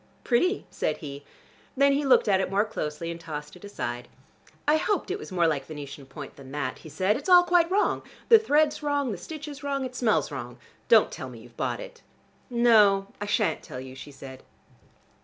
"Pretty," said he. Then he looked at it more closely, and tossed it aside. "I hoped it was more like Venetian point than that," he said. "It's all quite wrong: the thread's wrong: the stitch is wrong: it smells wrong. Don't tell me you've bought it." "No, I shan't tell you," she said.